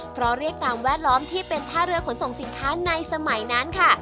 เพราะเรียกตามแวดล้อมที่เป็นท่าเรือขนส่งสินค้าในสมัยนั้นค่ะ